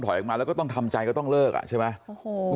ออกมาแล้วก็ต้องทำใจก็ต้องเลิกอ่ะใช่ไหมโอ้โห